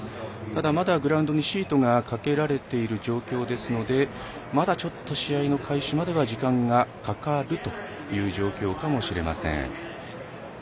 ただ、まだグラウンドにシートがかけられている状況ですのでまだちょっと試合の開始までは時間がかかるという状況かもしれません。